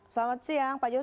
selamat siang pak jose